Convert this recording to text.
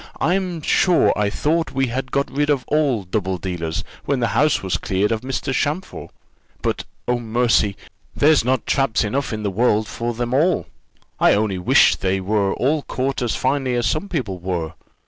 I'm sure I thought we had got rid of all double dealers, when the house was cleared of Mr. Champfort; but, oh, mercy! there's not traps enough in the world for them all; I only wish they were all caught as finely as some people were.